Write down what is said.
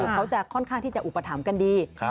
เขาจะค่อนข้างที่จะอุปถัมภ์กันดี